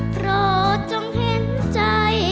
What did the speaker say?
โปรดจงเห็นใจ